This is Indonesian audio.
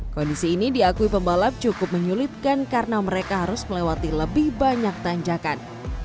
kondisi ini diakui pembalap cukup menyulitkan karena mereka harus melewati lebih banyak tanjakan